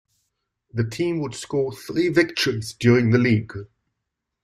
The team would score three victories during the league.